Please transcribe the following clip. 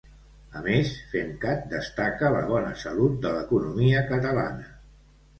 A més, FemCat destaca la bona salut de l'economia catalana.